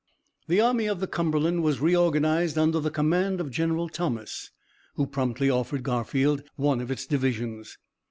"The Army of the Cumberland was reorganized under the command of General Thomas, who promptly offered Garfield one of its divisions.